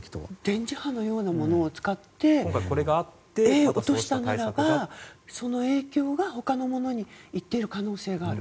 電磁波のようなものを使って落としたならばその影響が他のものにいっている可能性がある。